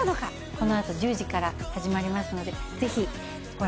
この後１０時から始まりますのでぜひご覧ください。